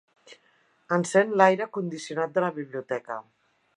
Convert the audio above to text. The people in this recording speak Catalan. Encén l'aire condicionat de la biblioteca.